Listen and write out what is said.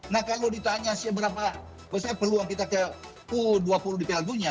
nah kalau ditanya seberapa besar peluang kita ke u dua puluh di piala dunia